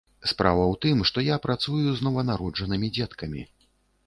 Справа ў тым, што я працую з нованароджанымі дзеткамі.